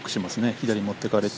左に持っていかれて。